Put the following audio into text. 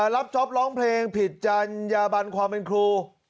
จ๊อปร้องเพลงผิดจัญญาบันความเป็นครู